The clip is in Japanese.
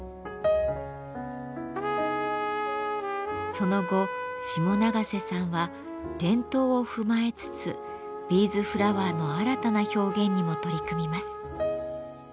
その後下永瀬さんは伝統を踏まえつつビーズフラワーの新たな表現にも取り組みます。